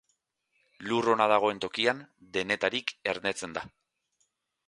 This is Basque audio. Lur ona dagoen tokian, denetarik ernetzen da.